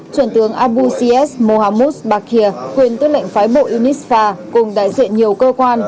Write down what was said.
chuyển tướng abu siets mohamud bakir quyền tư lệnh phái bộ unisfa cùng đại diện nhiều cơ quan